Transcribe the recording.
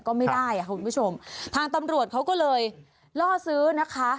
ก็ไม่ได้อ่ะคุณผู้ชมทางตำรวจเขาก็เลยล่อซื้อนะคะ